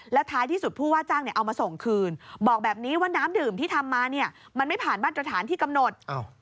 แล้วท้ายที่สุดผู้ว่าจ้างเอามาส่งคืนบอกแบบนี้ว่าน้ำดื่มที่ทำมาเนี่ยมันไม่ผ่านมาตรฐานที่กำหนด